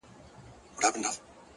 علم د جهالت تر ټولو لوی دښمن دی!.